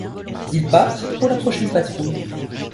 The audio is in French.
Il part pour la prochaine patrouille.